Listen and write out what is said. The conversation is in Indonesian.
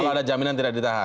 kalau ada jaminan tidak ditahan